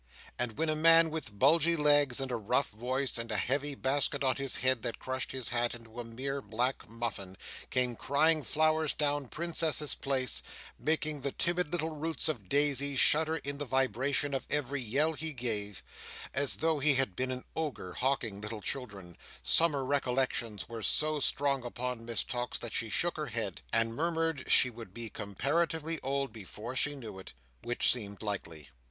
And when a man with bulgy legs, and a rough voice, and a heavy basket on his head that crushed his hat into a mere black muffin, came crying flowers down Princess's Place, making his timid little roots of daisies shudder in the vibration of every yell he gave, as though he had been an ogre, hawking little children, summer recollections were so strong upon Miss Tox, that she shook her head, and murmured she would be comparatively old before she knew it—which seemed likely.